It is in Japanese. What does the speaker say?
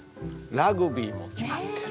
「ラグビー」も決まってる。